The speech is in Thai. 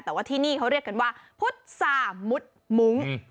แต่ว่าที่นี่เขาเรียกกันว่าพุษามุดมุ้ง